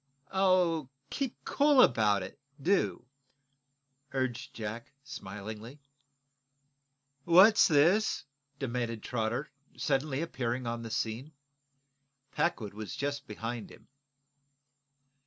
"Oh, keep cool about it, do," urged Jack, smilingly. "What's this?" demanded Trotter, suddenly appearing on the scene. Packwood was just behind him.